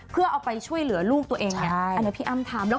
เพื่อเอาไปช่วยเหลือลูกตัวเองเนี่ยอันนี้พี่อ้ำทำแล้ว